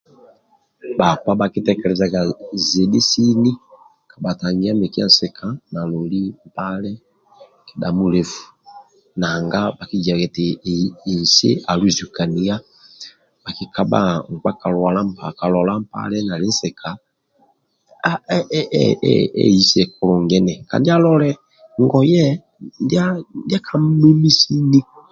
Bhakpa bhakutekelezaga zidhi sini bhakatangia mikia nsika naloli mpale kedha mulefu nanga bhakigiaga eti nsi aluzukania akikabha nkpa kalwala mpale nali nsika eee eise kulungi ni kandi alole ngoye ndia kamumimi sini